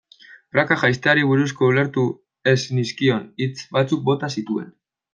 Praka jaisteari buruzko ulertu ez nizkion hitz batzuk bota zituen.